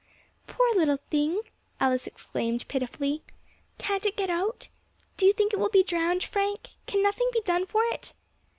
"Poor little thing!" Alice exclaimed pitifully, "can't it get out? Do you think it will be drowned, Frank? Can nothing be done for it?"